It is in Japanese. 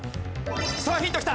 さあヒントきた。